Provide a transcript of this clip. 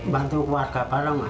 bantu keluarga bareng